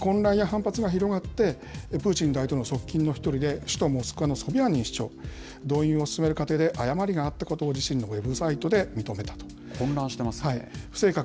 混乱や反発が広がって、プーチン大統領の側近の１人で、首都モスクワのソビャーニン市長、動員を進める過程で誤りがあったことを、混乱していますね。